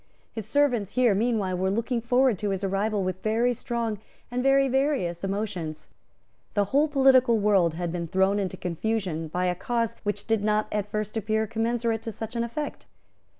His servants here meanwhile were looking forward to his arrival with very strong and very various emotions. The whole political world had been thrown into confusion by a cause which did not at first appear commensurate to such an effect.